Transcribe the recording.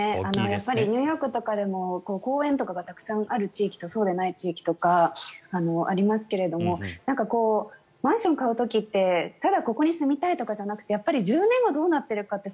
やっぱりニューヨークとかでも公園とかがたくさんある地域とそうでない地域とかありますけれどもマンションを買う時ってただここに住みたいじゃなくて１０年後どうなっているかって